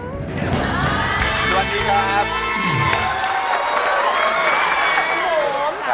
สวัสดีครับ